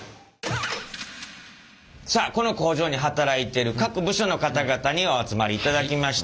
さあこの工場に働いている各部署の方々にお集まりいただきました。